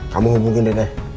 kamu hubungin dedek